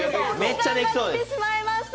お時間となってしまいました。